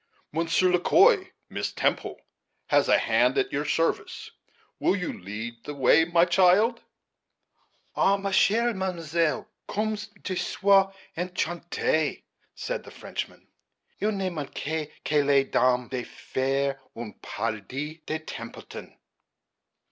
Monsieur Le Quoi, Miss Temple has a hand at your service. Will you lead the way, my child?" "Ah! ma chere mam'selle, comme je suis enchante!" said the Frenchman. "Il ne manque que les dames de faire un paradis de Templeton."